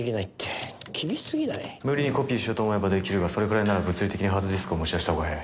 無理にコピーしようと思えばできるがそれくらいなら物理的にハードディスクを持ち出したほうが早い。